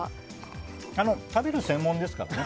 食べる専門ですからね。